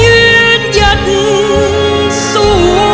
ไม่เร่รวนภาวะผวังคิดกังคัน